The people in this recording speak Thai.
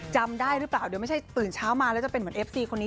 จำได้หรือเปล่าเดี๋ยวไม่ใช่ตื่นเช้ามาแล้วจะเป็นเหมือนเอฟซีคนนี้